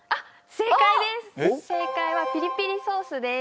正解は「ピリピリソース」です